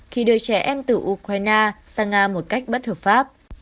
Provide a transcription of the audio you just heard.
khi đưa trẻ em từ ukraine sang nga một cách bất hợp pháp